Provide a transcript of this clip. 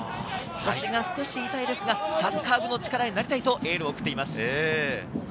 足が少し痛いですが、サッカー部の力になりたいとエールを送っています。